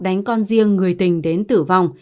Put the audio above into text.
đánh con riêng người tình đến tử vong